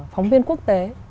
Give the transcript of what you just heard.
phóng viên quốc tế